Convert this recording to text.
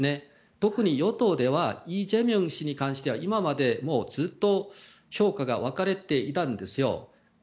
特に与党ではイ・ジェミョン氏に関しては今までもずっと評価が分かれていたんです。